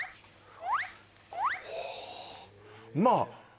ほおまあ